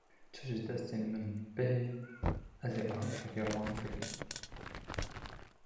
Çi ji destên min were, ez ê alîkariya wan bikim.